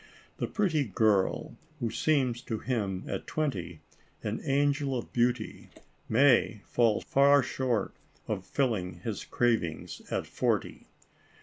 The pretty girl who seems to him at twenty an angel of beauty, may fall far short of filling his crav ings at forty.